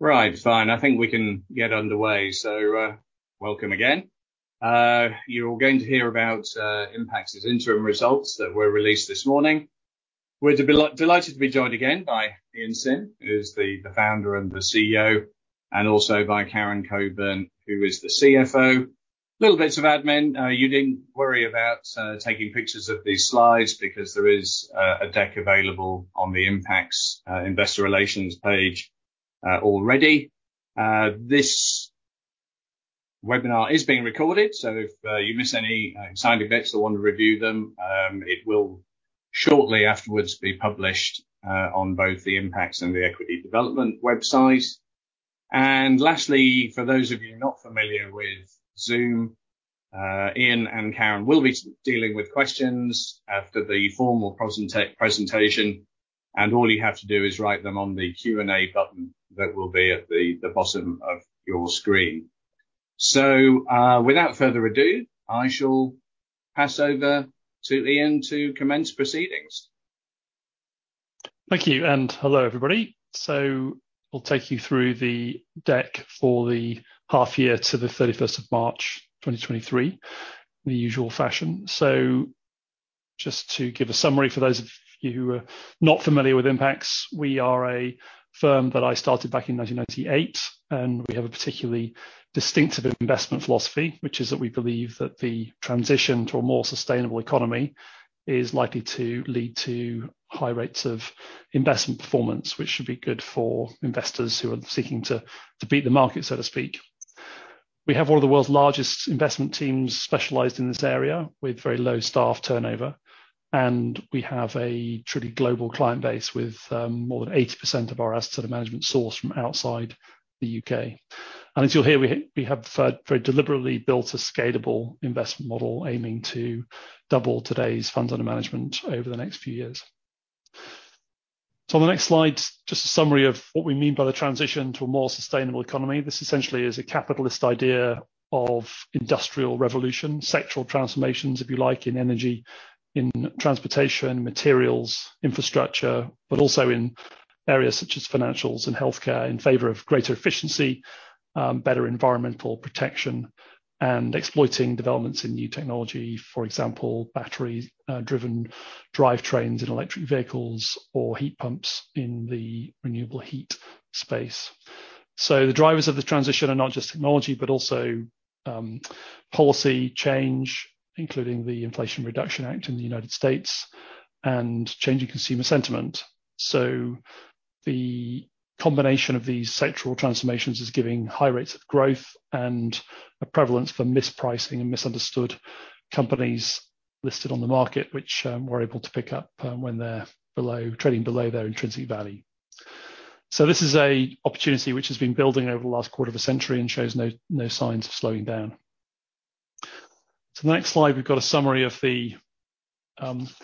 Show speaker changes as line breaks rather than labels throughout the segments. Fine. I think we can get underway. Welcome again. You're going to hear about Impax's interim results that were released this morning. We're delighted to be joined again by Ian Simm, who is the founder and the CEO, and also by Karen Cockburn, who is the CFO. Little bits of admin, you needn't worry about taking pictures of these slides because there is a deck available on the Impax investor relations page already. This webinar is being recorded, if you miss any exciting bits or want to review them, it will shortly afterwards be published on both the Impax and the Equity Development websites. Lastly, for those of you not familiar with Zoom, Ian and Karen will be dealing with questions after the formal presentation, and all you have to do is write them on the Q&A button that will be at the bottom of your screen. Without further ado, I shall pass over to Ian to commence proceedings.
Thank you, and hello, everybody. I'll take you through the deck for the half year to the 31st of March, 2023, in the usual fashion. Just to give a summary for those of you who are not familiar with Impax, we are a firm that I started back in 1998, and we have a particularly distinctive investment philosophy, which is that we believe that the transition to a more sustainable economy is likely to lead to high rates of investment performance, which should be good for investors who are seeking to beat the market, so to speak. We have one of the world's largest investment teams specialized in this area, with very low staff turnover, and we have a truly global client base, with more than 80% of our assets under management sourced from outside the U.K. As you'll hear, we have very deliberately built a scalable investment model aiming to double today's funds under management over the next few years. On the next slide, just a summary of what we mean by the transition to a more sustainable economy. This essentially is a capitalist idea of industrial revolution, sectoral transformations, if you like, in energy, in transportation, materials, infrastructure, but also in areas such as financials and healthcare, in favor of greater efficiency, better environmental protection, and exploiting developments in new technology. For example, battery driven drive trains in electric vehicles or heat pumps in the renewable heat space. The drivers of the transition are not just technology, but also policy change, including the Inflation Reduction Act in the United States and changing consumer sentiment. The combination of these sectoral transformations is giving high rates of growth and a prevalence for mispricing and misunderstood companies listed on the market, which we're able to pick up when they're trading below their intrinsic value. This is an opportunity which has been building over the last quarter of a century and shows no signs of slowing down. The next slide, we've got a summary of the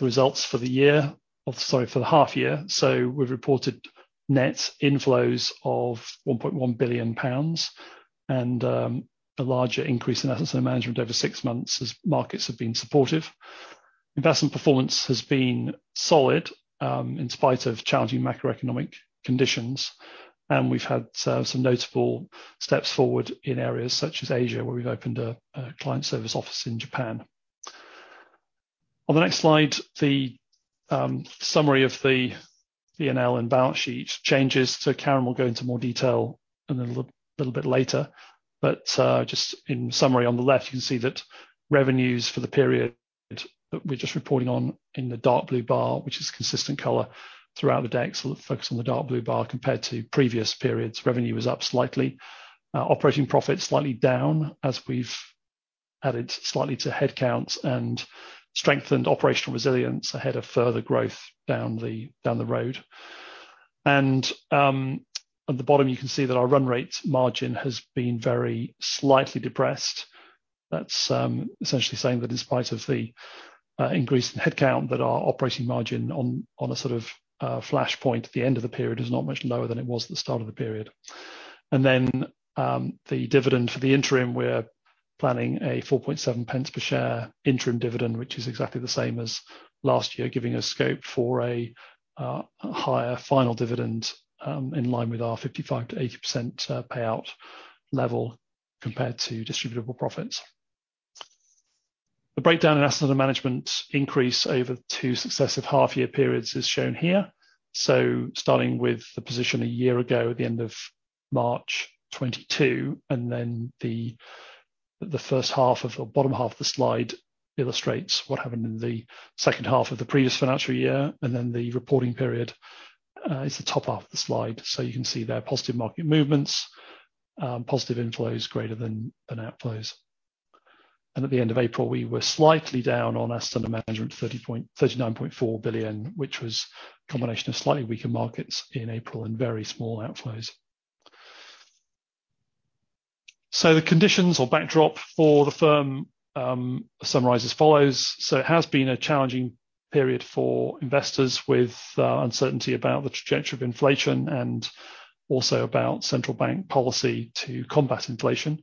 results for the year, sorry, for the half year. We've reported net inflows of 1.1 billion pounds, and a larger increase in assets under management over six months as markets have been supportive. Investment performance has been solid in spite of challenging macroeconomic conditions, and we've had some notable steps forward in areas such as Asia, where we've opened a client service office in Japan. On the next slide, the summary of the PNL and balance sheet changes. Karen will go into more detail a little bit later, but just in summary, on the left, you can see that revenues for the period that we're just reporting on in the dark blue bar, which is a consistent color throughout the deck. Focus on the dark blue bar. Compared to previous periods, revenue is up slightly, operating profit slightly down, as we've added slightly to headcount and strengthened operational resilience ahead of further growth down the road. At the bottom, you can see that our run rate margin has been very slightly depressed. That's essentially saying that in spite of the increase in headcount, that our operating margin on a sort of, flashpoint at the end of the period is not much lower than it was at the start of the period. The dividend for the interim, we're planning a 4.7 pence per share interim dividend, which is exactly the same as last year, giving us scope for a higher final dividend in line with our 55%-80% payout level compared to distributable profits. The breakdown in assets under management increase over two successive half year periods is shown here. Starting with the position a year ago, at the end of March 2022. The first half of, or bottom half of the slide illustrates what happened in the second half of the previous financial year. The reporting period is the top half of the slide. You can see there, positive market movements, positive inflows greater than outflows. At the end of April, we were slightly down on assets under management, 39.4 billion, which was a combination of slightly weaker markets in April and very small outflows. The conditions or backdrop for the firm summarize as follows. It has been a challenging period for investors with uncertainty about the trajectory of inflation and also about central bank policy to combat inflation.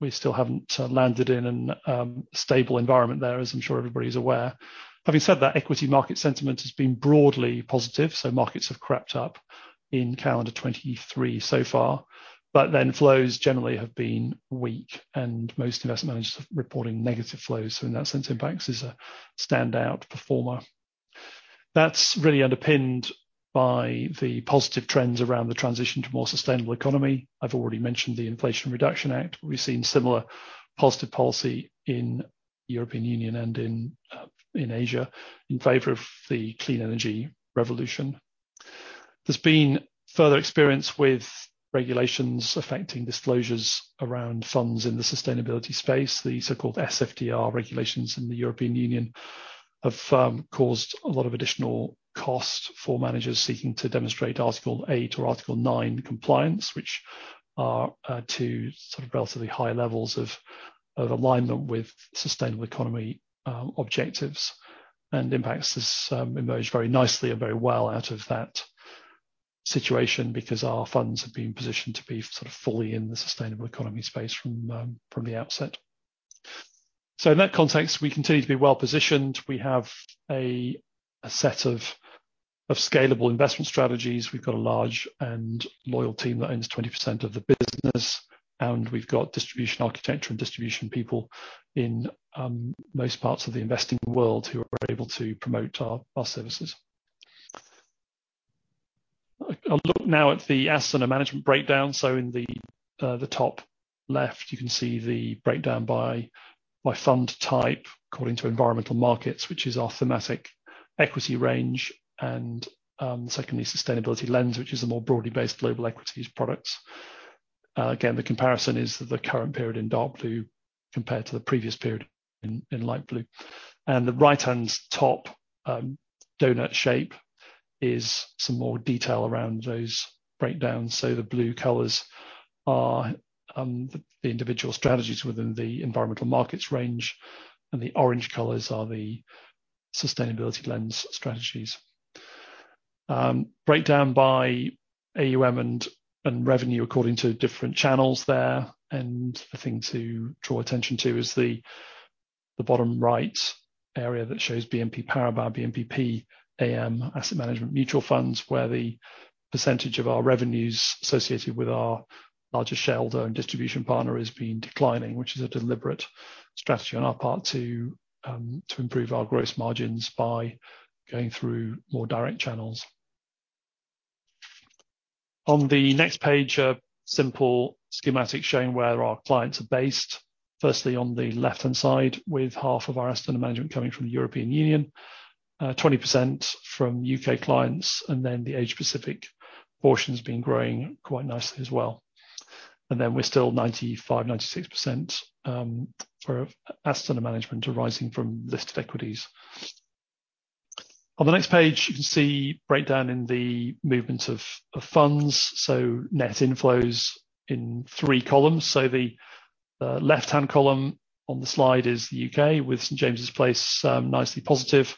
We still haven't landed in a stable environment there, as I'm sure everybody's aware. Having said that, equity market sentiment has been broadly positive, so markets have crept up in calendar 2023 so far. Flows generally have been weak, and most investment managers are reporting negative flows. In that sense, Impax is a standout performer. That's really underpinned by the positive trends around the transition to more sustainable economy. I've already mentioned the Inflation Reduction Act. We've seen similar positive policy in European Union and in Asia, in favor of the clean energy revolution. There's been further experience with regulations affecting disclosures around funds in the sustainability space. The so-called SFDR regulations in the European Union have caused a lot of additional costs for managers seeking to demonstrate Article 8 or Article 9 compliance, which are two sort of relatively high levels of alignment with sustainable economy objectives. Impax has emerged very nicely and very well out of that situation because our funds have been positioned to be sort of fully in the sustainable economy space from the outset. In that context, we continue to be well positioned. We have a set of scalable investment strategies. We've got a large and loyal team that owns 20% of the business, and we've got distribution architecture and distribution people in most parts of the investing world who are able to promote our services. I'll look now at the assets under management breakdown. In the top left, you can see the breakdown by fund type according to Environmental Markets, which is our thematic equity range, and secondly, Sustainability Lens, which is a more broadly based global equities products. Again, the comparison is the current period in dark blue, compared to the previous period in light blue. The right-hand top donut shape is some more detail around those breakdowns. The blue colors are the individual strategies within the Environmental Markets range, and the orange colors are the Sustainability Lens strategies. Breakdown by AUM and revenue according to different channels there, the thing to draw attention to is the bottom right area that shows BNP Paribas, BNPP AM, Asset Management Mutual Funds, where the percentage of our revenues associated with our larger shareholder and distribution partner has been declining, which is a deliberate strategy on our part to improve our gross margins by going through more direct channels. On the next page, a simple schematic showing where our clients are based. Firstly, on the left-hand side, with half of our asset and management coming from the European Union, 20% from U.K. clients, the Asia-Pacific portion has been growing quite nicely as well. We're still 95%-96% for assets under management arising from listed equities. On the next page, you can see breakdown in the movement of funds, so net inflows in three columns. The left-hand column on the slide is the U.K., with St. James's Place, nicely positive,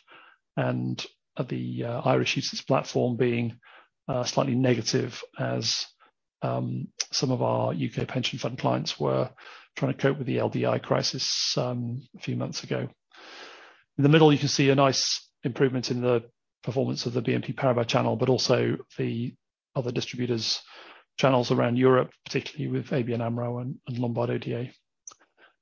and at the Irish UCITS platform being slightly negative as some of our U.K. pension fund clients were trying to cope with the LDI crisis, a few months ago. In the middle, you can see a nice improvement in the performance of the BNP Paribas channel, but also the other distributors channels around Europe, particularly with ABN AMRO and Lombard Odier.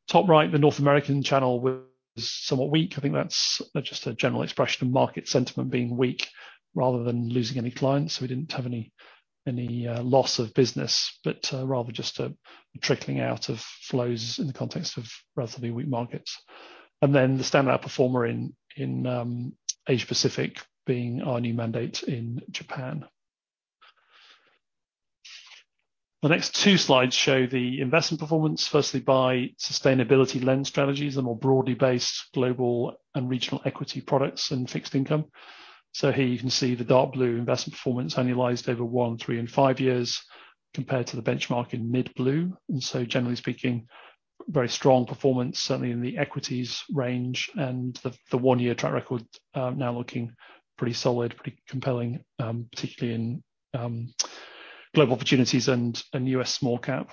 Top right, the North American channel was somewhat weak. I think that's just a general expression of market sentiment being weak rather than losing any clients. We didn't have any loss of business, but rather just a trickling out of flows in the context of relatively weak markets. The standout performer in Asia-Pacific being our new mandate in Japan. The next two slides show the investment performance, firstly by Sustainability Lens strategies, the more broadly based global and regional equity products and fixed income. Here you can see the dark blue investment performance annualized over one, three and five years compared to the benchmark in mid blue. Generally speaking, very strong performance, certainly in the equities range and the one-year track record now looking pretty solid, pretty compelling, particularly in Global Opportunities and U.S. Small Cap.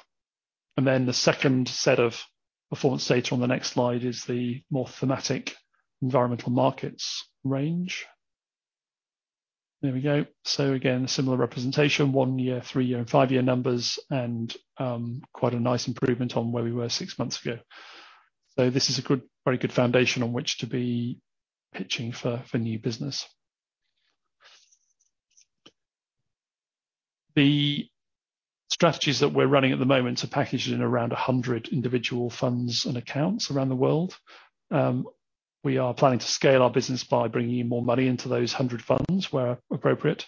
The second set of performance data on the next slide is the more thematic Environmental Markets range. There we go. Again, a similar representation, one year, three year and five-year numbers, quite a nice improvement on where we were six months ago. This is a good, very good foundation on which to be pitching for new business. The strategies that we're running at the moment are packaged in around 100 individual funds and accounts around the world. We are planning to scale our business by bringing in more money into those 100 funds where appropriate,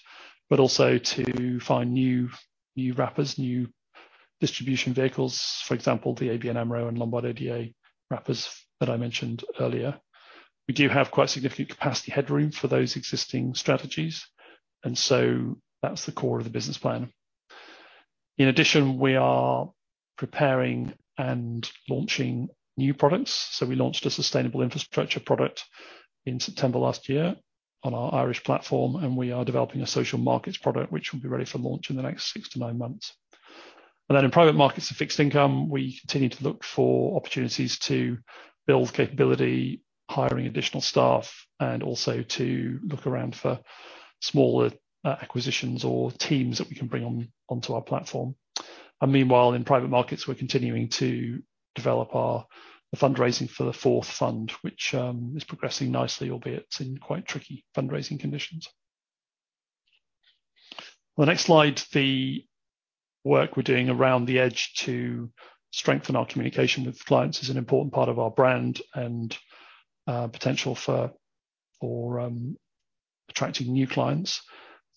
but also to find new wrappers, new distribution vehicles, for example, the ABN AMRO and Lombard Odier wrappers that I mentioned earlier. We do have quite significant capacity headroom for those existing strategies, that's the core of the business plan. In addition, we are preparing and launching new products. We launched a Sustainable Infrastructure product in September last year on our Irish platform, and we are developing a social markets product, which will be ready for launch in the next six to nine months. In private markets and fixed income, we continue to look for opportunities to build capability, hiring additional staff, and also to look around for smaller acquisitions or teams that we can bring onto our platform. Meanwhile, in private markets, we're continuing to develop our fundraising for the fourth fund, which is progressing nicely, albeit in quite tricky fundraising conditions. On the next slide, the work we're doing around the edge to strengthen our communication with clients is an important part of our brand and potential for attracting new clients.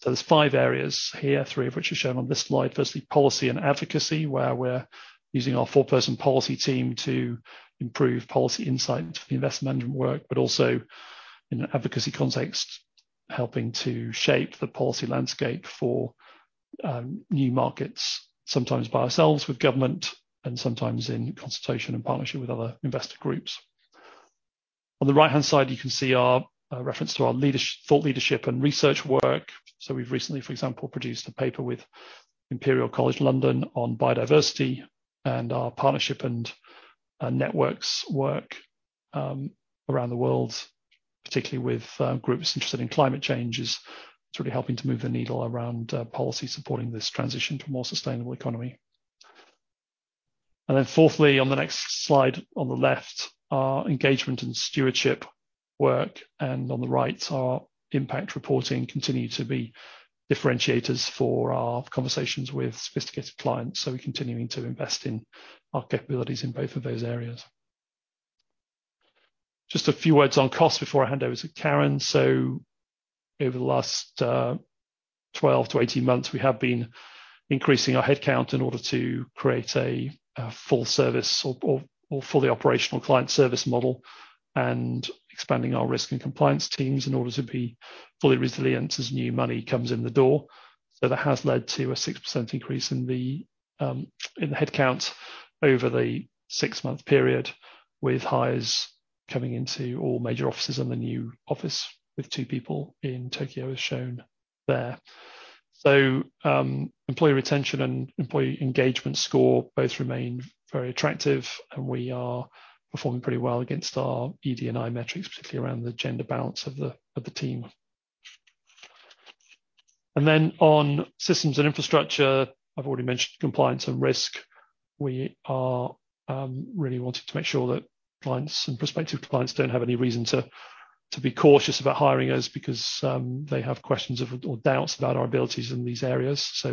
There's five areas here, three of which are shown on this slide. Firstly, policy and advocacy, where we're using our 4-person policy team to improve policy insight into the investment management work, also in an advocacy context, helping to shape the policy landscape for new markets, sometimes by ourselves with government, sometimes in consultation and partnership with other investor groups. On the right-hand side, you can see our reference to our thought leadership and research work. We've recently, for example, produced a paper with Imperial College London on biodiversity and our partnership and networks work around the world, particularly with groups interested in climate change, is sort of helping to move the needle around policy supporting this transition to a more sustainable economy. Fourthly, on the next slide, on the left, our engagement and stewardship work, and on the right, our impact reporting continue to be differentiators for our conversations with sophisticated clients, we're continuing to invest in our capabilities in both of those areas. Just a few words on cost before I hand over to Karen. Over the last 12-18 months, we have been increasing our headcount in order to create a full service or fully operational client service model and expanding our risk and compliance teams in order to be fully resilient as new money comes in the door. That has led to a 6% increase in the headcount over the six-month period, with hires coming into all major offices and the new office, with two people in Tokyo, as shown there. Employee retention and employee engagement score both remain very attractive, and we are performing pretty well against our ED&I metrics, particularly around the gender balance of the team. On systems and infrastructure, I've already mentioned compliance and risk. We are really wanting to make sure that clients and prospective clients don't have any reason to be cautious about hiring us because they have questions or doubts about our abilities in these areas.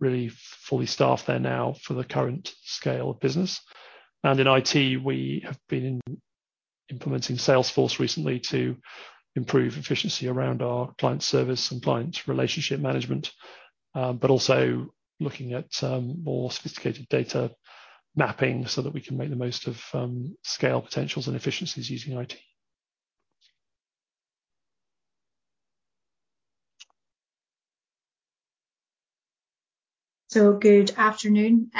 Really fully staffed there now for the current scale of business. In IT, we have been implementing Salesforce recently to improve efficiency around our client service and client relationship management, but also looking at more sophisticated data mapping so that we can make the most of scale potentials and efficiencies using IT.
Good afternoon.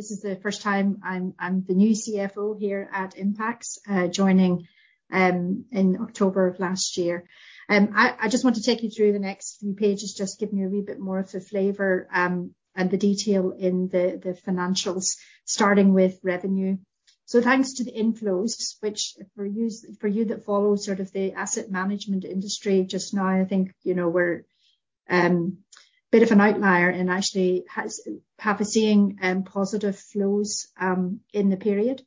This is the first time I'm the new CFO here at Impax, joining in October of last year. I just want to take you through the next few pages, just giving you a wee bit more of a flavor, and the detail in the financials, starting with revenue. Thanks to the inflows, which for yous, for you that follow sort of the asset management industry just now, I think, you know, we're bit of an outlier and actually have a seeing positive flows in the period.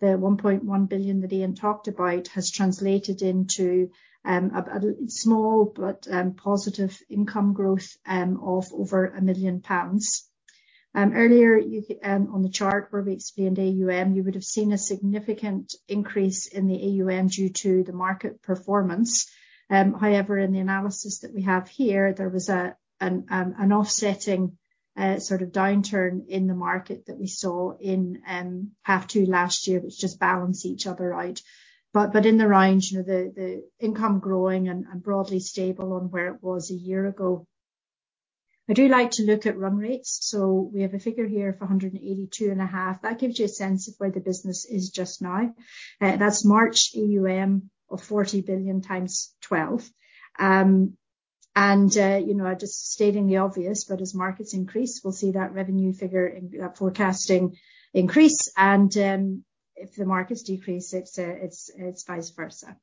The 1.1 billion that Ian talked about has translated into a small but positive income growth of over 1 million pounds. Earlier, on the chart where we explained AUM, you would have seen a significant increase in the AUM due to the market performance. However, in the analysis that we have here, there was an offsetting sort of downturn in the market that we saw in half two last year, which just balanced each other out. In the range, you know, the income growing and broadly stable on where it was a year ago. I do like to look at run rates, we have a figure here of 182.5. That gives you a sense of where the business is just now. That's March AUM of 40 billion times twelve. Just stating the obvious, as markets increase, we'll see that revenue figure in forecasting increase, and if the markets decrease, it's vice versa.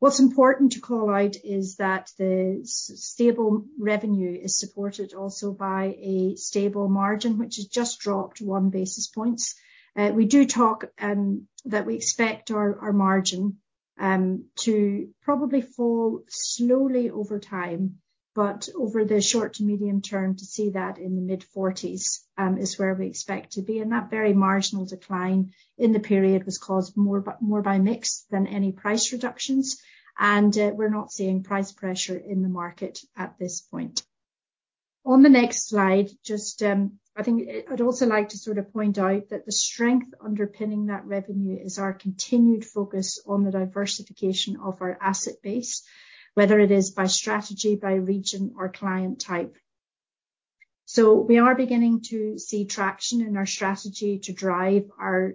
What's important to call out is that the stable revenue is supported also by a stable margin, which has just dropped 1 basis points. We do talk that we expect our margin to probably fall slowly over time, but over the short to medium term, to see that in the mid-forties is where we expect to be. That very marginal decline in the period was caused more by mix than any price reductions, and we're not seeing price pressure in the market at this point. On the next slide, just, I think I'd also like to sort of point out that the strength underpinning that revenue is our continued focus on the diversification of our asset base, whether it is by strategy, by region, or client type. We are beginning to see traction in our strategy to drive our,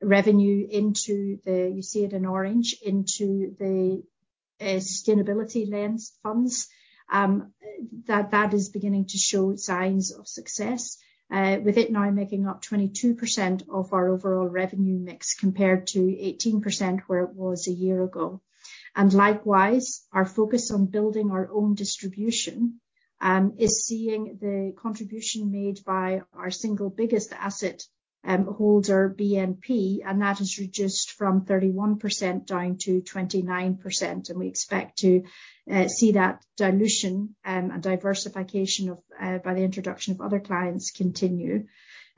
revenue into the, you see it in orange, into the, Sustainability Lens funds. that is beginning to show signs of success, with it now making up 22% of our overall revenue mix, compared to 18% where it was a year ago. Likewise, our focus on building our own distribution, is seeing the contribution made by our single biggest asset, holder, BNP, and that has reduced from 31% down to 29%, and we expect to, see that dilution, and diversification of, by the introduction of other clients continue.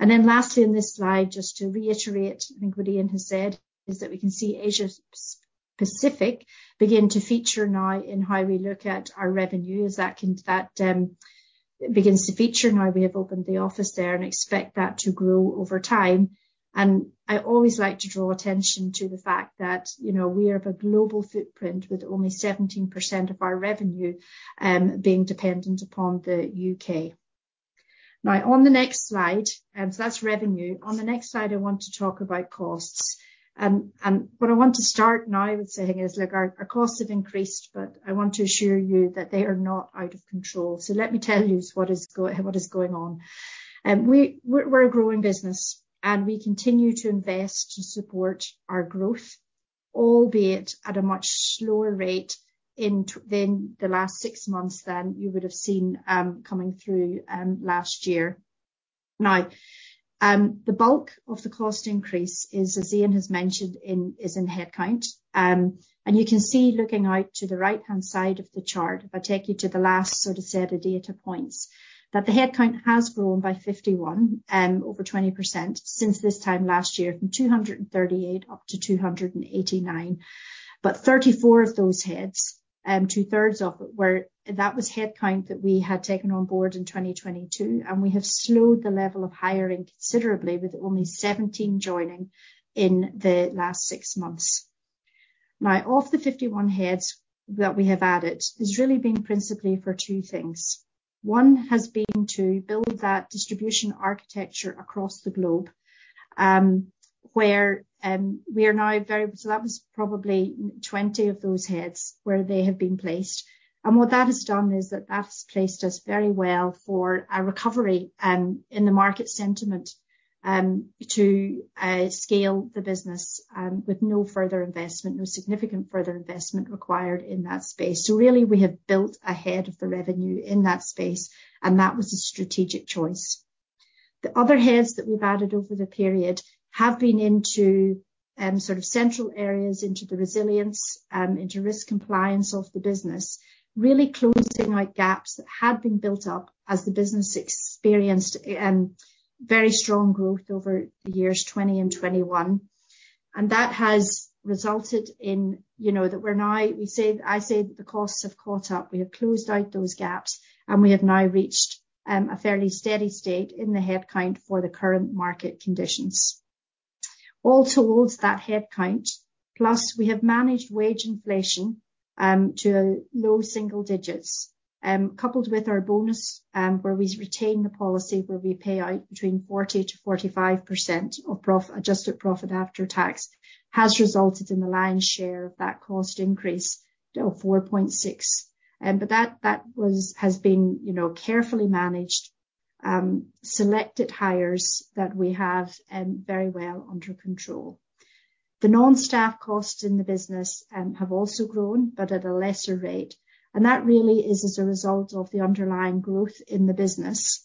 Lastly, in this slide, just to reiterate what Ian has said, is that we can see Asia-Pacific begin to feature now in how we look at our revenue. As that begins to feature now we have opened the office there, and expect that to grow over time. I always like to draw attention to the fact that, you know, we are of a global footprint with only 17% of our revenue, being dependent upon the U.K.. On the next slide, so that's revenue. On the next slide, I want to talk about costs. What I want to start now with saying is, look, our costs have increased, but I want to assure you that they are not out of control. Let me tell you what is going on. We're a growing business, and we continue to invest to support our growth, albeit at a much slower rate than the last six months than you would have seen coming through last year. Now, the bulk of the cost increase is, as Ian has mentioned, is in headcount. You can see, looking out to the right-hand side of the chart, if I take you to the last sort of set of data points, that the headcount has grown by 51, over 20% since this time last year, from 238 up to 289. Thirty-four of those heads, two-thirds of it, were headcount that we had taken on board in 2022, and we have slowed the level of hiring considerably, with only 17 joining in the last six months. Of the 51 heads that we have added, has really been principally for two things. One has been to build that distribution architecture across the globe, where we are now very. That was probably 20 of those heads where they have been placed. What that has done is that's placed us very well for a recovery, in the market sentiment, to scale the business, with no further investment, no significant further investment required in that space. Really, we have built ahead of the revenue in that space, and that was a strategic choice. The other heads that we've added over the period have been into, sort of central areas, into the resilience, into risk compliance of the business. Really closing out gaps that had been built up as the business experienced, very strong growth over the years 2020 and 2021. That has resulted in, you know, that we're now, we say, I say the costs have caught up. We have closed out those gaps, and we have now reached a fairly steady state in the headcount for the current market conditions. All told, that headcount, plus we have managed wage inflation to low single digits. Coupled with our bonus, where we retain the policy, where we pay out between 40%-45% of adjusted profit after tax, has resulted in the lion's share of that cost increase of 4.6. That has been, you know, carefully managed, selected hires that we have, very well under control. The non-staff costs in the business have also grown, but at a lesser rate, and that really is as a result of the underlying growth in the business.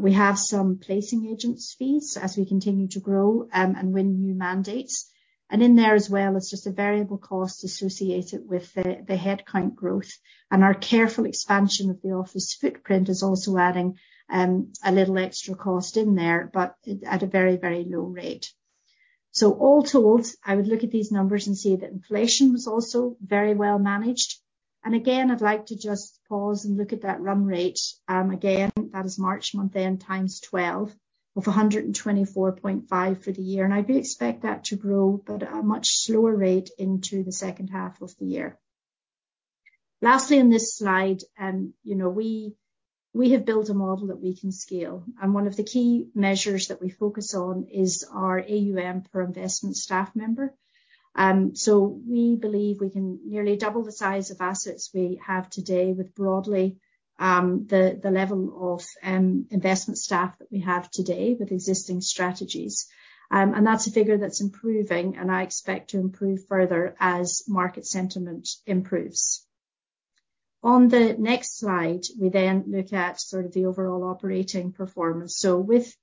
We have some placing agents fees as we continue to grow and win new mandates. In there as well, is just a variable cost associated with the headcount growth, and our careful expansion of the office footprint is also adding a little extra cost in there, but at a very, very low rate. All told, I would look at these numbers and say that inflation was also very well managed. Again, I'd like to just pause and look at that run rate. Again, that is March month end times twelve, of 124.5 for the year, and I do expect that to grow, but at a much slower rate into the second half of the year. Lastly, on this slide, you know, we have built a model that we can scale, and one of the key measures that we focus on is our AUM per investment staff member. We believe we can nearly double the size of assets we have today with broadly the level of investment staff that we have today with existing strategies. That's a figure that's improving, and I expect to improve further as market sentiment improves. On the next slide, we look at sort of the overall operating performance. With,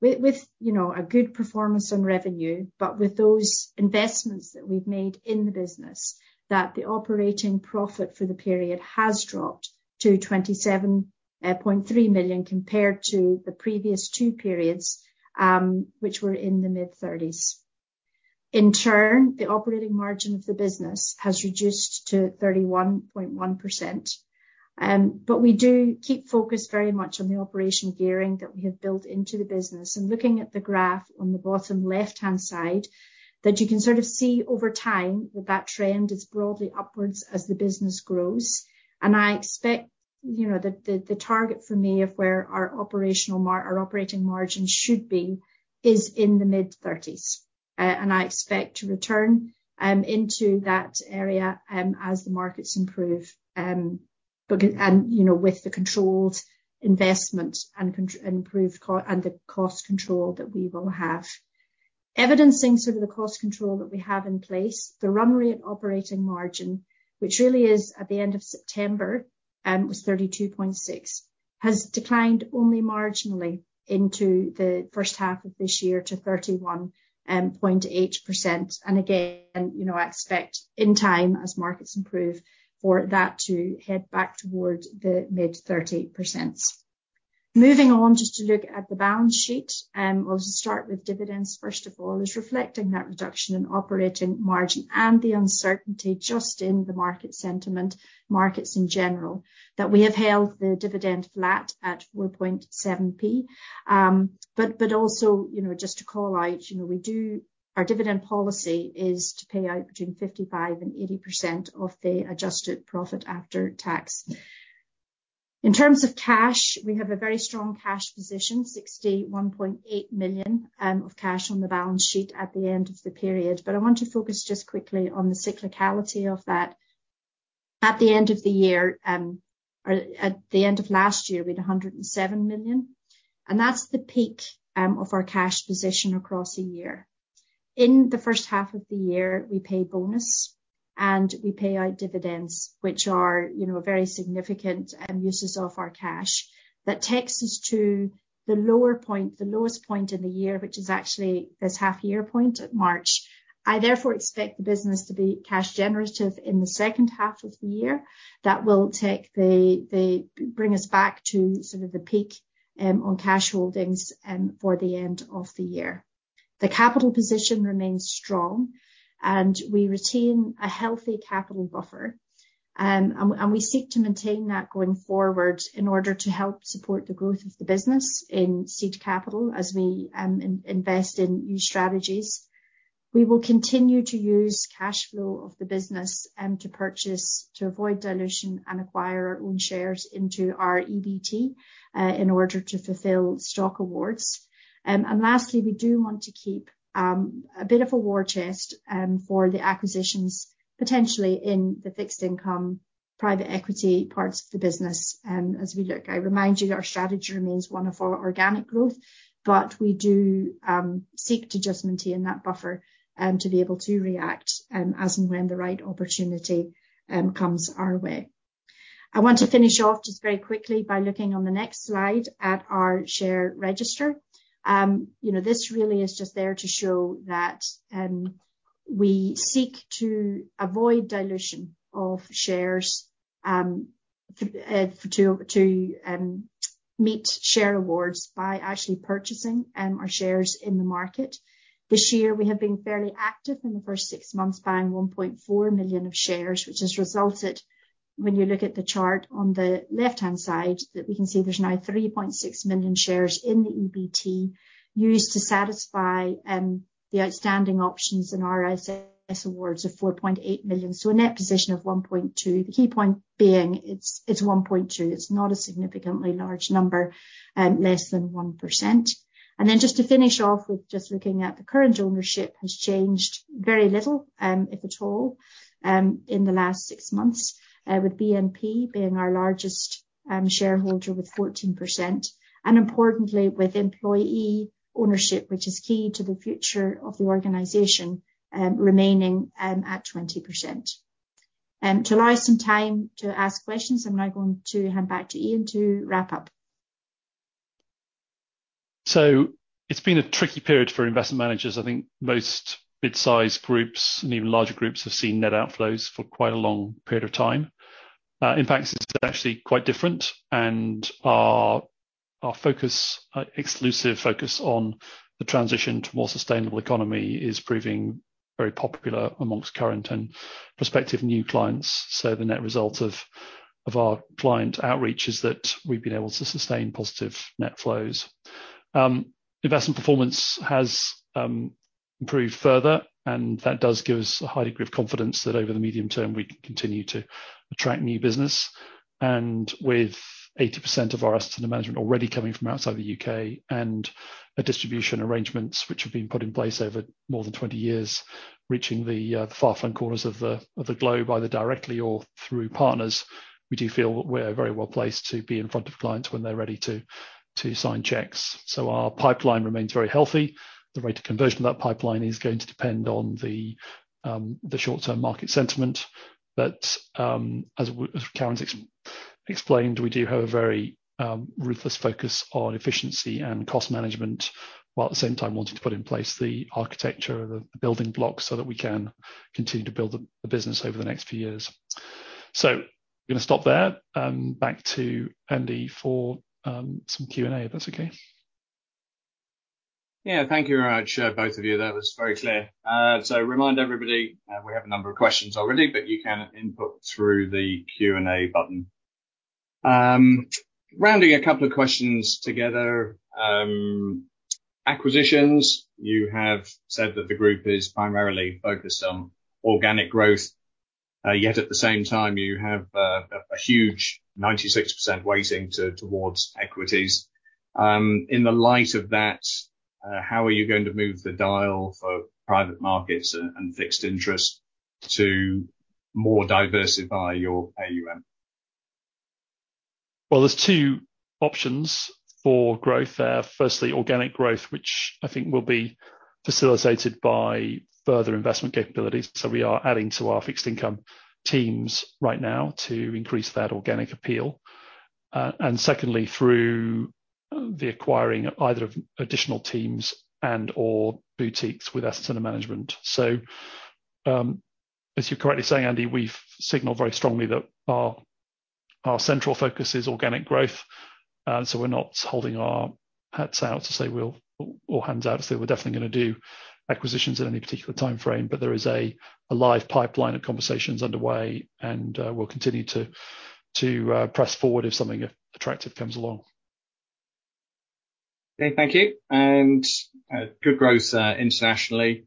you know, a good performance on revenue, but with those investments that we've made in the business, the operating profit for the period has dropped to 27.3 million, compared to the previous two periods, which were in the mid-thirties. In turn, the operating margin of the business has reduced to 31.1%. We do keep focused very much on the operating gearing that we have built into the business, looking at the graph on the bottom left-hand side, that you can sort of see over time, that that trend is broadly upwards as the business grows. I expect you know, the target for me of where our operating margin should be is in the mid-thirties. I expect to return into that area as the markets improve. You know, with the controlled investment and the cost control that we will have. Evidencing sort of the cost control that we have in place, the run rate operating margin, which really is at the end of September, was 32.6, has declined only marginally into the first half of this year to 31.8%. Again, you know, I expect in time, as markets improve, for that to head back towards the mid-30%. Moving on, just to look at the balance sheet, we'll start with dividends first of all, is reflecting that reduction in operating margin and the uncertainty just in the market sentiment, markets in general, that we have held the dividend flat at 4.7p. Also, you know, just to call out, you know, our dividend policy is to pay out between 55% and 80% of the adjusted profit after tax. In terms of cash, we have a very strong cash position, 61.8 million of cash on the balance sheet at the end of the period. I want to focus just quickly on the cyclicality of that. At the end of the year, or at the end of last year, we had 107 million, and that's the peak of our cash position across a year. In the first half of the year, we pay bonus, and we pay out dividends, which are, you know, very significant uses of our cash. That takes us to the lower point, the lowest point in the year, which is actually this half-year point at March. I therefore expect the business to be cash generative in the second half of the year. That will take the... Bring us back to sort of the peak on cash holdings for the end of the year. The capital position remains strong, and we retain a healthy capital buffer, and we seek to maintain that going forward in order to help support the growth of the business in seed capital as we invest in new strategies. We will continue to use cash flow of the business to purchase, to avoid dilution and acquire our own shares into our EBT in order to fulfill stock awards. Lastly, we do want to keep a bit of a war chest for the acquisitions, potentially in the fixed income, private equity parts of the business, as we look. I remind you, our strategy remains one of our organic growth, but we do seek to just maintain that buffer to be able to react as and when the right opportunity comes our way. I want to finish off just very quickly by looking on the next slide at our share register. You know, this really is just there to show that we seek to avoid dilution of shares for to meet share awards by actually purchasing our shares in the market. This year, we have been fairly active in the first six months, buying 1.4 million shares, which has resulted, when you look at the chart on the left-hand side, that we can see there's now 3.6 million shares in the EBT, used to satisfy the outstanding options in our RSP awards of 4.8 million. A net position of 1.2 million. The key point being, it's 1.2 million. It's not a significantly large number, less than 1%. Just to finish off with just looking at the current ownership has changed very little, if at all, in the last six months, with BNP being our largest shareholder with 14%, and importantly, with employee ownership, which is key to the future of the organization, remaining at 20%. To allow some time to ask questions, I'm now going to hand back to Ian to wrap up.
It's been a tricky period for investment managers. I think most mid-size groups and even larger groups have seen net outflows for quite a long period of time. In fact, it's actually quite different, and our focus, exclusive focus on the transition to more sustainable economy is proving very popular amongst current and prospective new clients. The net result of our client outreach is that we've been able to sustain positive net flows. Investment performance has improved further, and that does give us a high degree of confidence that over the medium term, we continue to attract new business. With 80% of our assets under management already coming from outside the U.K., and a distribution arrangements which have been put in place over more than 20 years, reaching the far front corners of the, of the globe, either directly or through partners, we do feel we're very well placed to be in front of clients when they're ready to sign checks. Our pipeline remains very healthy. The rate of conversion of that pipeline is going to depend on the short-term market sentiment, but as Karen explained, we do have a very ruthless focus on efficiency and cost management, while at the same time wanting to put in place the architecture, the building blocks, so that we can continue to build the business over the next few years. I'm gonna stop there, back to Andy for some Q&A, if that's okay.
Yeah, thank you, both of you. That was very clear. Remind everybody, we have a number of questions already, but you can input through the Q&A button. Rounding a couple of questions together, acquisitions, you have said that the group is primarily focused on organic growth, yet at the same time, you have a huge 96% weighting towards equities. In the light of that, how are you going to move the dial for private markets and fixed interest to more diversify your AUM?
There's two options for growth there. Firstly, organic growth, which I think will be facilitated by further investment capabilities, so we are adding to our fixed income teams right now to increase that organic appeal. Secondly, through the acquiring either of additional teams and/or boutiques with assets under management. As you're correctly saying, Andy, we've signaled very strongly that our central focus is organic growth, and so we're not holding our hats out to say hands out to say we're definitely gonna do acquisitions at any particular timeframe, but there is a live pipeline of conversations underway, and we'll continue to press forward if something attractive comes along.
Okay, thank you, and good growth internationally.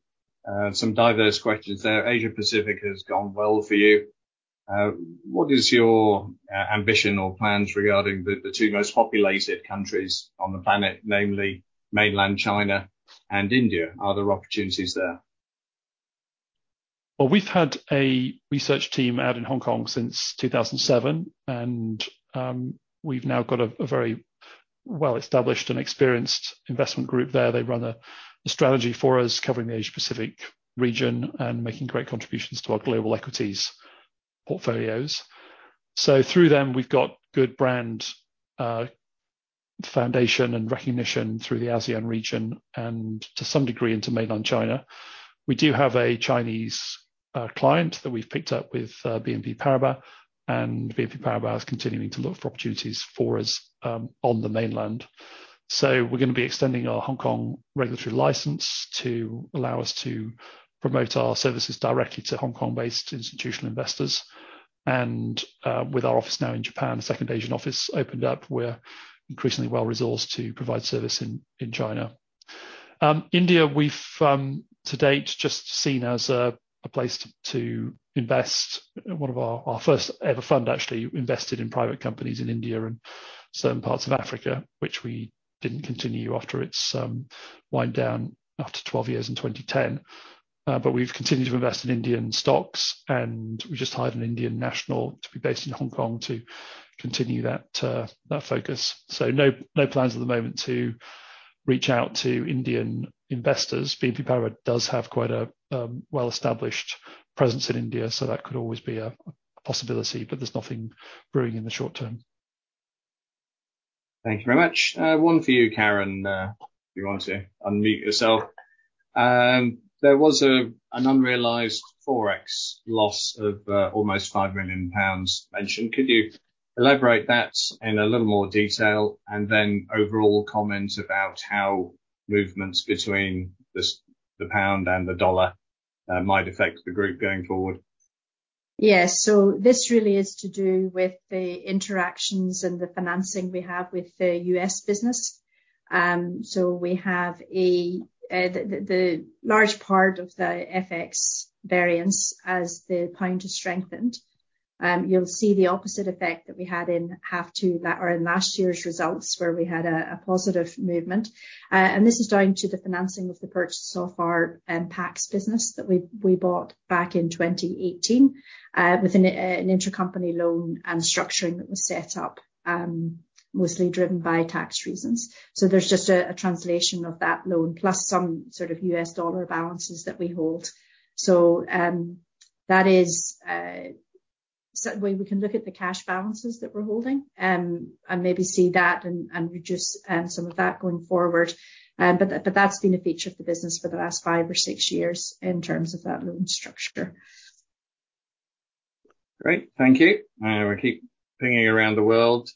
Some diverse questions there. Asia-Pacific has gone well for you. What is your ambition or plans regarding the two most populated countries on the planet, namely mainland China and India? Are there opportunities there?
We've had a research team out in Hong Kong since 2007, we've now got a very well-established and experienced investment group there. They run a strategy for us, covering the Asia-Pacific region and making great contributions to our global equities portfolios. Through them, we've got good brand foundation and recognition through the ASEAN region and to some degree, into mainland China. We do have a Chinese client that we've picked up with BNP Paribas. BNP Paribas is continuing to look for opportunities for us on the mainland. We're gonna be extending our Hong Kong regulatory license to allow us to promote our services directly to Hong Kong-based institutional investors, with our office now in Japan, a second Asian office opened up. We're increasingly well-resourced to provide service in China. India, we've to date, just seen as a place to invest. One of our first ever fund actually invested in private companies in India and certain parts of Africa, which we didn't continue after its wind down after 12 years in 2010. We've continued to invest in Indian stocks, and we just hired an Indian national to be based in Hong Kong to continue that focus. No, no plans at the moment to reach out to Indian investors. BNP Paribas does have quite a well-established presence in India. That could always be a possibility. There's nothing brewing in the short term.
Thank you very much. One for you, Karen, if you want to unmute yourself. There was an unrealized Forex loss of almost 5 million pounds mentioned. Could you elaborate that in a little more detail, and then overall comment about how movements between the pound and the dollar might affect the group going forward?
This really is to do with the interactions and the financing we have with the U.S. business. The large part of the FX variance as the pound has strengthened. You'll see the opposite effect that we had in half two, or in last year's results, where we had a positive movement. This is down to the financing of the purchase of our Pax business that we bought back in 2018 with an intracompany loan and structuring that was set up mostly driven by tax reasons. There's just a translation of that loan, plus some sort of U.S. dollar balances that we hold. That is. We can look at the cash balances that we're holding, and maybe see that and reduce, some of that going forward. That's been a feature of the business for the last five or six years in terms of that loan structure.
Great, thank you. We keep pinging around the world.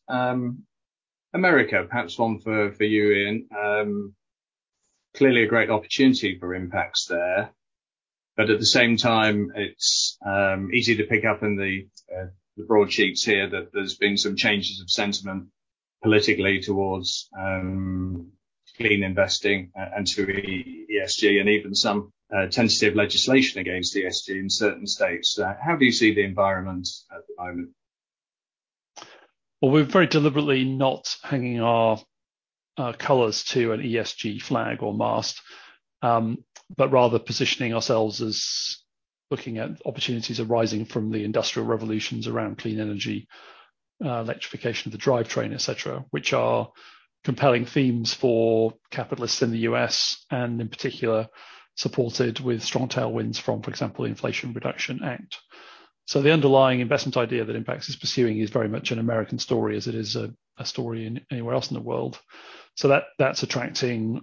America, perhaps one for you, Ian. Clearly a great opportunity for Impax there, but at the same time, it's easy to pick up in the broadsheets here that there's been some changes of sentiment politically towards clean investing and to ESG and even some tentative legislation against ESG in certain states. How do you see the environment at the moment?
We're very deliberately not hanging our colors to an ESG flag or mast, but rather positioning ourselves as looking at opportunities arising from the industrial revolutions around clean energy, electrification of the drivetrain, et cetera, which are compelling themes for capitalists in the U.S., and in particular, supported with strong tailwinds from, for example, the Inflation Reduction Act. The underlying investment idea that Impax is pursuing is very much an American story, as it is a story anywhere else in the world. That's attracting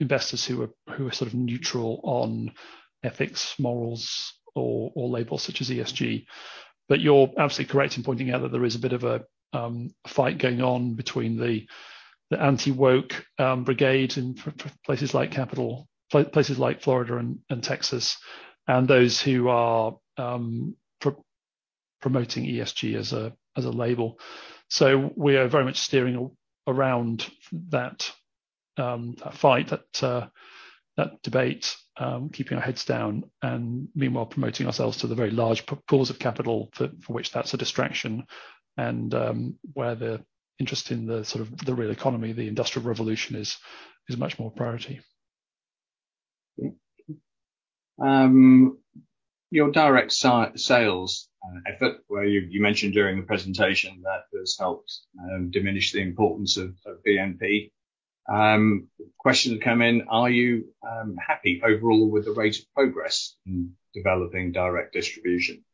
investors who are sort of neutral on ethics, morals or labels such as ESG. You're absolutely correct in pointing out that there is a bit of a fight going on between the anti-woke brigade in places like Florida and Texas, and those who are pro-... promoting ESG as a label. We are very much steering around that fight, that debate, keeping our heads down and meanwhile promoting ourselves to the very large pools of capital for which that's a distraction, and where the interest in the sort of the real economy, the industrial revolution is much more a priority.
Your direct sales effort, where you mentioned during the presentation that has helped diminish the importance of BNP. Question had come in: Are you happy overall with the rate of progress in developing direct distribution?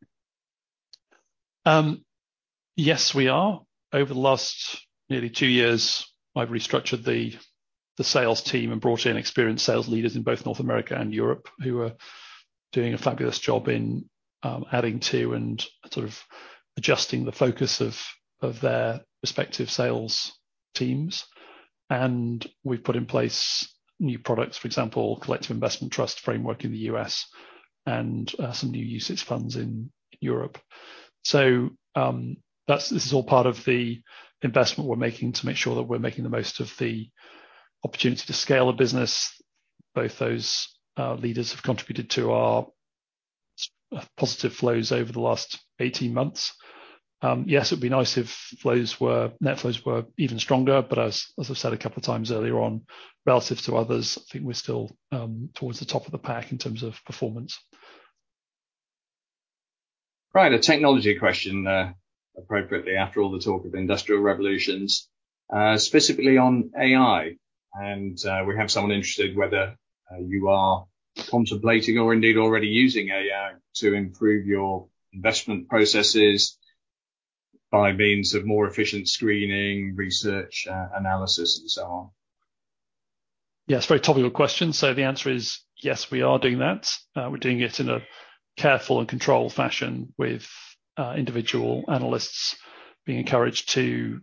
Yes, we are. Over the last nearly two years, I've restructured the sales team and brought in experienced sales leaders in both North America and Europe, who are doing a fabulous job in adding to and sort of adjusting the focus of their respective sales teams. We've put in place new products, for example, Collective Investment Trust framework in the U.S. and some new UCITS funds in Europe. This is all part of the investment we're making to make sure that we're making the most of the opportunity to scale the business. Both those leaders have contributed to our positive flows over the last 18 months. Yes, it would be nice if flows were, net flows were even stronger, but as I've said a couple times earlier on, relative to others, I think we're still towards the top of the pack in terms of performance.
Right. A technology question, appropriately after all the talk of industrial revolutions, specifically on AI. We have someone interested whether you are contemplating or indeed already using AI to improve your investment processes by means of more efficient screening, research, analysis, and so on.
Yeah, it's a very topical question. The answer is yes, we are doing that. We're doing it in a careful and controlled fashion with individual analysts being encouraged to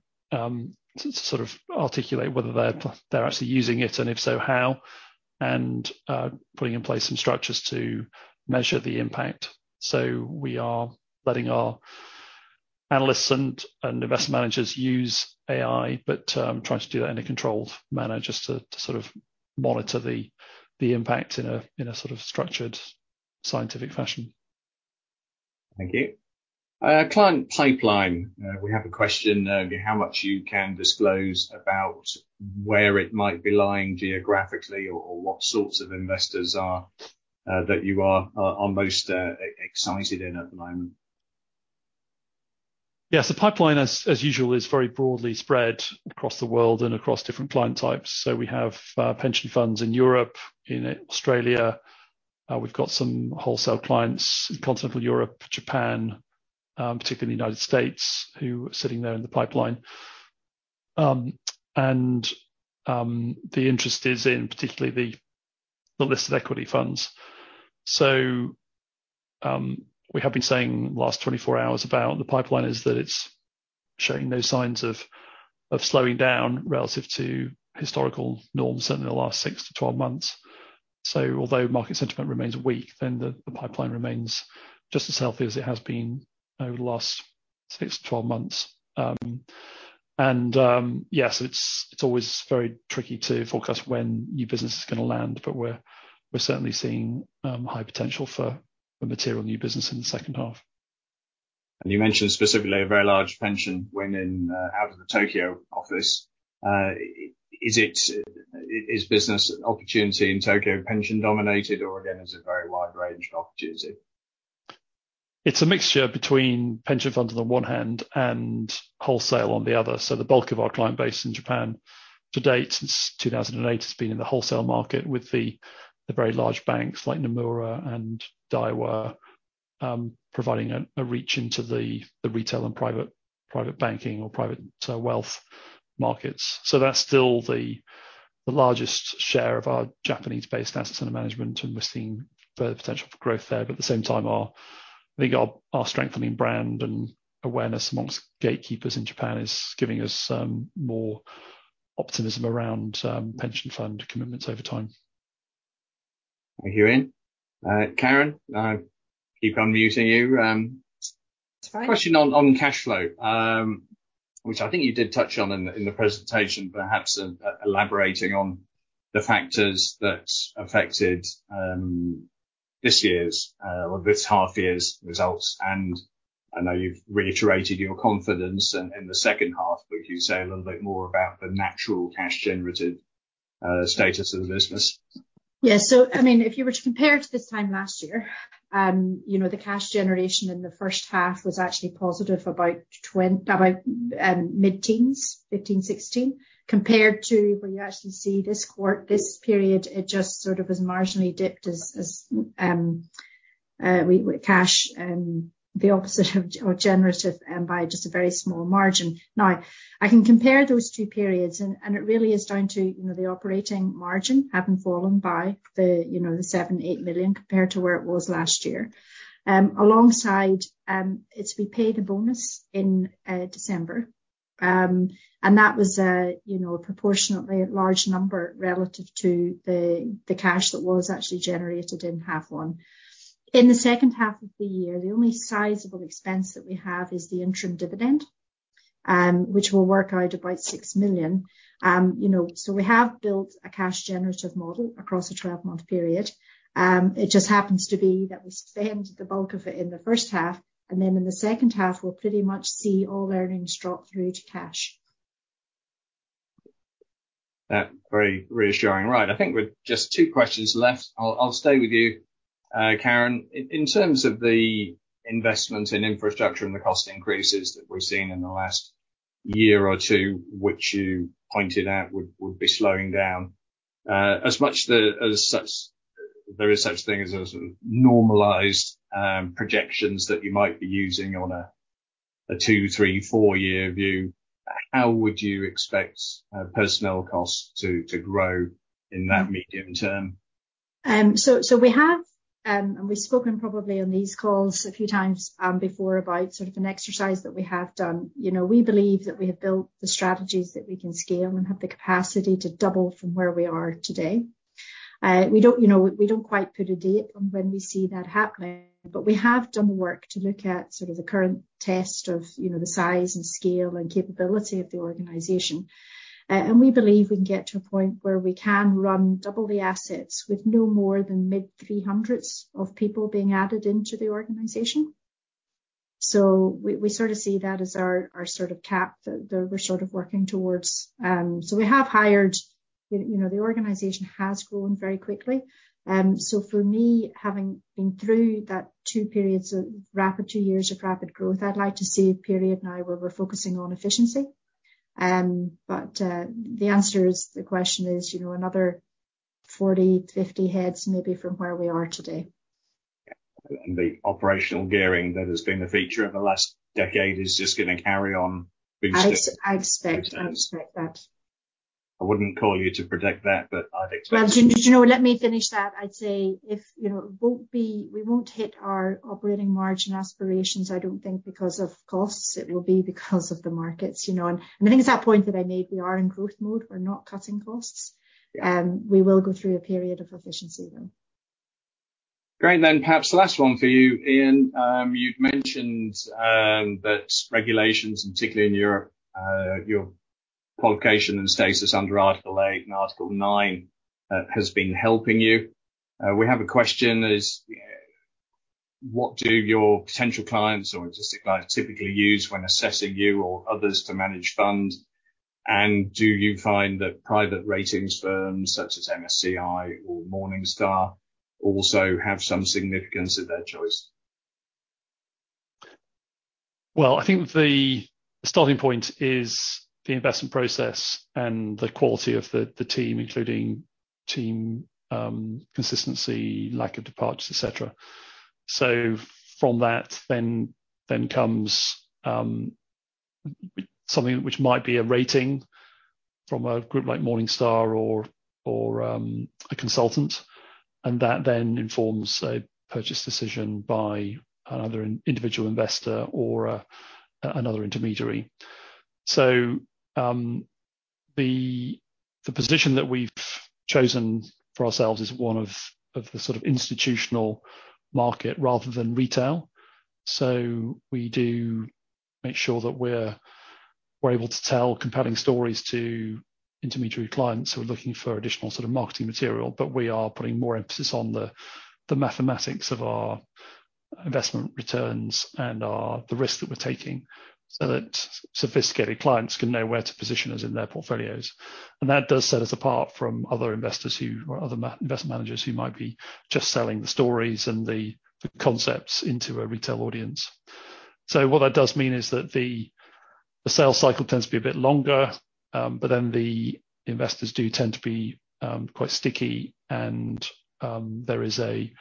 sort of articulate whether they're actually using it, and if so, how, and putting in place some structures to measure the impact. We are letting our analysts and investment managers use AI, but trying to do that in a controlled manner just to sort of monitor the impact in a sort of structured, scientific fashion.
Thank you. Client pipeline. We have a question, how much you can disclose about where it might be lying geographically or what sorts of investors are that you are most excited in at the moment?
Yes. The pipeline, as usual, is very broadly spread across the world and across different client types. We have pension funds in Europe, in Australia. We've got some wholesale clients in continental Europe, Japan, particularly the United States, who are sitting there in the pipeline. The interest is in particularly the listed equity funds. We have been saying the last 24 hours about the pipeline is that it's showing no signs of slowing down relative to historical norms, certainly in the last six-12 months. Although market sentiment remains weak, the pipeline remains just as healthy as it has been over the last six-12 months. Yes, it's always very tricky to forecast when new business is gonna land, but we're certainly seeing high potential for the material new business in the second half.
You mentioned specifically a very large pension win in out of the Tokyo office. Is it, is business opportunity in Tokyo pension-dominated, or again, is a very wide range of opportunity?
It's a mixture between pension funds on the one hand and wholesale on the other. The bulk of our client base in Japan to date, since 2008, has been in the wholesale market with the very large banks like Nomura and Daiwa, providing a reach into the retail and private banking or private wealth markets. That's still the largest share of our Japanese-based asset under management, and we're seeing further potential for growth there. At the same time, I think our strengthening brand and awareness amongst gatekeepers in Japan is giving us more optimism around pension fund commitments over time.
Thank you, Ian. Karen, I keep unmuting you.
That's fine.
Question on cash flow, which I think you did touch on in the presentation, perhaps elaborating on the factors that affected this year's or this half year's results. I know you've reiterated your confidence in the second half, could you say a little bit more about the natural cash generative status of the business?
I mean, if you were to compare to this time last year, you know, the cash generation in the first half was actually positive, about mid-teens, 15, 16, compared to where you actually see this period, it just sort of was marginally dipped as we, with cash, the opposite of or generative, and by just a very small margin. I can compare those two periods and it really is down to, you know, the operating margin having fallen by the, you know, the 7 million-8 million compared to where it was last year. Alongside, it's, we paid a bonus in December, and that was a, you know, proportionately large number relative to the cash that was actually generated in half one. In the second half of the year, the only sizable expense that we have is the interim dividend, which will work out about 6 million. You know, we have built a cash generative model across a 12-month period. It just happens to be that we spent the bulk of it in the first half, and then in the second half, we'll pretty much see all earnings drop through to cash.
Very reassuring. Right. I think with just two questions left, I'll stay with you, Karen. In terms of the investment in infrastructure and the cost increases that we're seeing in the last year or two, which you pointed out would be slowing down, as much the, as such, there is such thing as a sort of normalized projections that you might be using on a two, three, four-year view, how would you expect personnel costs to grow in that medium term?
We have, and we've spoken probably on these calls a few times, before, about sort of an exercise that we have done. You know, we believe that we have built the strategies that we can scale and have the capacity to double from where we are today. We don't, you know, we don't quite put a date on when we see that happening, but we have done the work to look at sort of the current test of, you know, the size and scale and capability of the organization. We believe we can get to a point where we can run double the assets with no more than mid 300s of people being added into the organization. We sort of see that as our sort of cap that we're sort of working towards. We have hired, you know, the organization has grown very quickly. For me, having been through that two years of rapid growth, I'd like to see a period now where we're focusing on efficiency. The answer is, the question is, you know, another 40, 50 heads maybe from where we are today.
Yeah. The operating gearing that has been a feature in the last decade is just gonna carry on big step.
I expect that.
I wouldn't call you to predict that, but I'd expect it.
Well, do you know, let me finish that. I'd say if, you know, we won't hit our operating margin aspirations, I don't think, because of costs, it will be because of the markets, you know? I think it's that point that I made, we are in growth mode. We're not cutting costs. We will go through a period of efficiency, though.
Great. Perhaps the last one for you, Ian. You'd mentioned that regulations, and particularly in Europe, your publication and status under Article 8 and Article 9 has been helping you. We have a question is: what do your potential clients or existing clients typically use when assessing you or others to manage funds? Do you find that private ratings firms, such as MSCI or Morningstar, also have some significance in their choice?
I think the starting point is the investment process and the quality of the team, including team, consistency, lack of departures, et cetera. From that, then comes something which might be a rating from a group like Morningstar or, a consultant, and that then informs a purchase decision by another individual investor or, another intermediary. The position that we've chosen for ourselves is one of the sort of institutional market rather than retail. We do make sure that we're able to tell compelling stories to intermediary clients who are looking for additional sort of marketing material, but we are putting more emphasis on the mathematics of our investment returns and the risk that we're taking, so that sophisticated clients can know where to position us in their portfolios. That does set us apart from other investors who, or other investment managers who might be just selling the stories and the concepts into a retail audience. What that does mean is that the sales cycle tends to be a bit longer. The investors do tend to be quite sticky, and there is a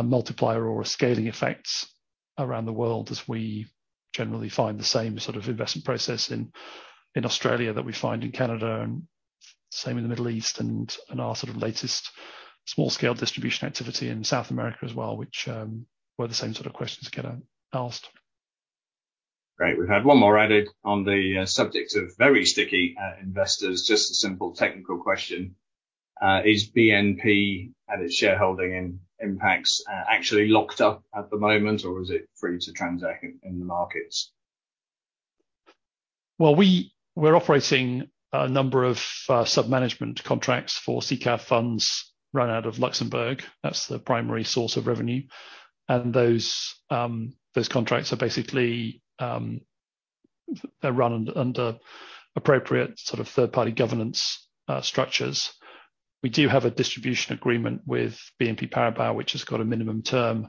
multiplier or a scaling effect around the world as we generally find the same sort of investment process in Australia that we find in Canada, and same in the Middle East, and in our sort of latest small-scale distribution activity in South America as well, which were the same sort of questions get asked.
Great. We've had one more added on the subject of very sticky investors. Just a simple technical question: Is BNP and its shareholding in Impax actually locked up at the moment, or is it free to transact in the markets?
We're operating a number of sub-management contracts for SICAV funds run out of Luxembourg. That's the primary source of revenue. Those contracts are basically, they're run under appropriate sort of third-party governance structures. We do have a distribution agreement with BNP Paribas, which has got a minimum term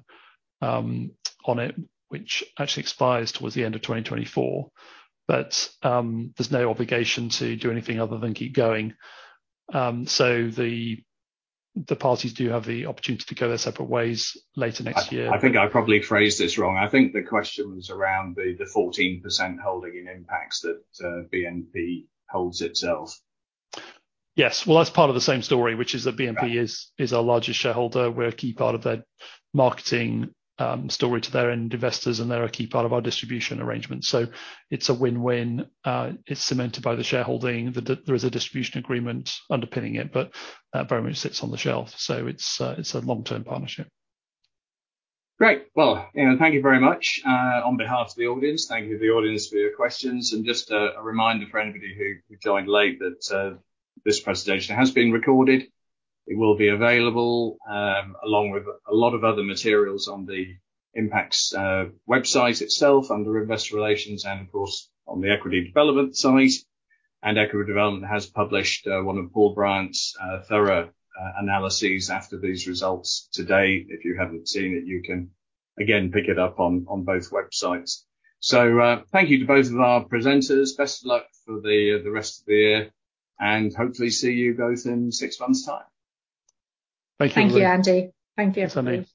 on it, which actually expires towards the end of 2024. There's no obligation to do anything other than keep going. The parties do have the opportunity to go their separate ways later next year.
I think I probably phrased this wrong. I think the question was around the 14% holding in Impax that BNP holds itself.
Yes. Well, that's part of the same story, which is that BNP is our largest shareholder. We're a key part of their marketing story to their end investors, and they're a key part of our distribution arrangement. It's a win-win. It's cemented by the shareholding. There is a distribution agreement underpinning it, but very much sits on the shelf, so it's a long-term partnership.
Great. Well, Ian, thank you very much. On behalf of the audience, thank you to the audience for your questions, and just a reminder for anybody who joined late, that this presentation has been recorded. It will be available, along with a lot of other materials on the Impax website itself, under Investor Relations, and of course, on the Equity Development site. Equity Development has published one of Paul Bryant's thorough analyses after these results today. If you haven't seen it, you can, again, pick it up on both websites. Thank you to both of our presenters. Best of luck for the rest of the year, and hopefully see you both in six months' time.
Thank you.
Thank you, Andy. Thank you, everybody.